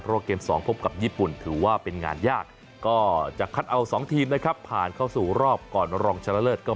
เพราะว่าเกม๒พบกับญี่ปุ่นถือว่าเป็นงานยากก็จะคัดเอา๒ทีมนะครับผ่านเข้าสู่รอบก่อนรองชนะเลิศก็